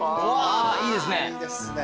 いいですね。